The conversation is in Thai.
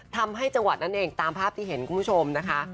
จังหวัดนั้นเองตามภาพที่เห็นคุณผู้ชมนะคะ